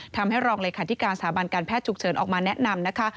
ทำให้รองเลขาธิการสถาบันการแพทย์ฉุกเฉินออกมาแนะนำนะคะ